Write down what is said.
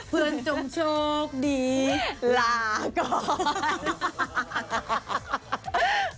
เพื่อนจงโชคดีลาก่อน